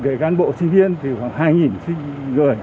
để cán bộ sinh viên thì khoảng hai